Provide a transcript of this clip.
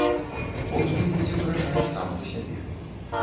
Кожны будзе вырашаць сам за сябе.